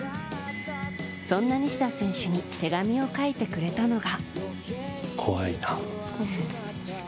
そんな西田選手に手紙を書いてくれたのが。